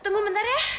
tunggu bentar ya